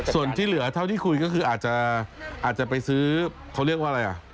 ส่วนที่เหลือเท่าที่คุยก็คืออาจจะไปซื้อเขาเรียกว่าอะไรอ่ะ